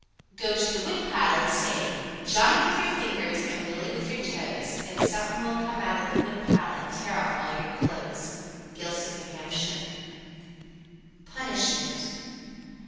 88. Go to the woodpile and say, "Johnnie with your fingers, and Willie with your toes," and something (suthin) will come out of the woodpile and tear off all your clothes (close). Gilsum, N.H. PUNISHMENT.